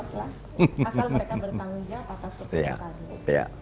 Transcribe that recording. asal mereka bertanggung jawab aku harus pertanyaannya